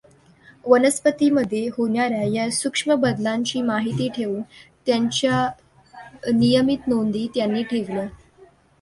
वनस्पतीमध्ये होणार् या सूक्ष्म बदलांची माहिती ठेवून त्याच्या नियमित नोंदी त्यांनी ठेवल्या.